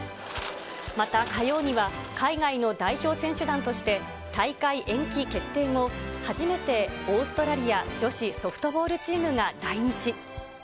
また火曜には、海外の代表選手団として、大会延期決定後、初めてオーストラリア女子ソフトボールチームが来日。